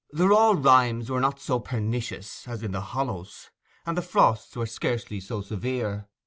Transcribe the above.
The raw rimes were not so pernicious as in the hollows, and the frosts were scarcely so severe.